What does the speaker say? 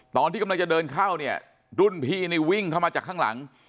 ตอนที่กำลังจะเดินเข้าเนี่ยรุ่นพี่นี่วิ่งเข้ามาจากข้างหลัง